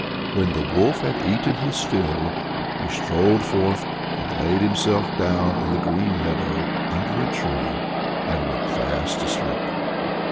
When the wolf had eaten his fill, he strolled forth, laid himself down in the green meadow under a tree, and went fast asleep.